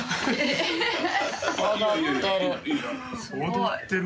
踊ってる。